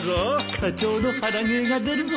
課長の腹芸が出るぞ